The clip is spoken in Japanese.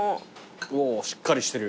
おぉしっかりしてる。